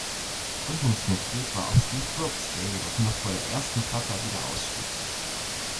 Gründungsmitglied war auch Steve Brookes, der jedoch noch vor der ersten Platte wieder ausstieg.